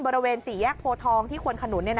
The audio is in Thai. บริเวณ๔แยกโพทองที่ควนขนุน